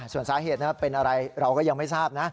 ส่วนสาเหตุเป็นอะไรเราก็ยังไม่ทราบนะ